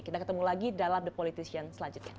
kita ketemu lagi dalam the politician selanjutnya